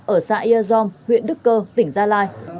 ở xã yer zom huyện đức cơ tỉnh gia lai